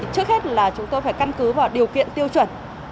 trước hết là chúng tôi phải căn cứ vào điều kiện tiêu chuẩn